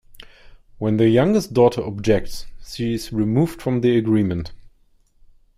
When the youngest daughter objects, she is removed from the agreement.